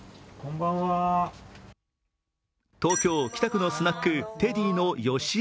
東京・北区のスナック、テディのよしえ